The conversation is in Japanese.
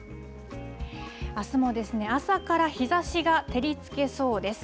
あすも朝から日ざしが照りつけそうです。